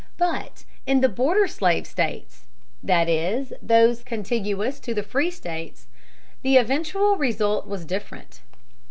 But in the border slave States that is, those contiguous to the free States the eventual result was different.